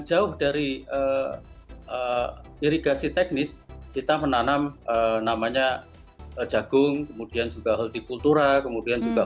jauh dari irigasi teknis kita menanam namanya jagung kemudian juga holti kultura kemudian juga